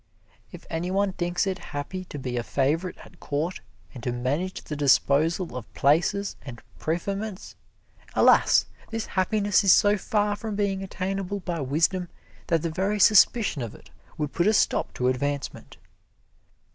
If any one thinks it happy to be a favorite at court, and to manage the disposal of places and preferments, alas, this happiness is so far from being attainable by wisdom, that the very suspicion of it would put a stop to advancement.